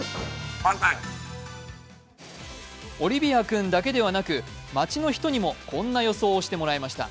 オリビア君だけではなく街の人にもこんな予想をしてもらいました。